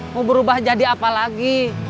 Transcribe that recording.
mau berubah jadi apa lagi